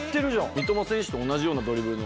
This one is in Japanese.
三笘選手と同じようなドリブルの。